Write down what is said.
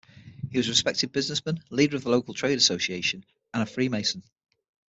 He was a respected businessman, leader of the local trade association, and a Freemason.